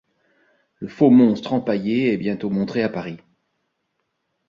Le faux-monstre empaillé est bientôt montré à Paris.